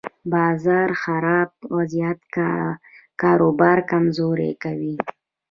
د بازار خراب وضعیت کاروبار کمزوری کوي.